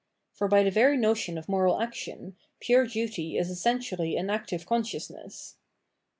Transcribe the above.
For, by the very notion of moral action, pure duty is essentially an active consciousness.